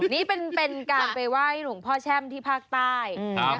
นี่เป็นการไปไหว้หลวงพ่อแช่มที่ภาคใต้